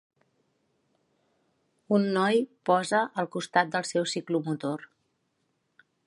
Un noi posa al costat del seu ciclomotor.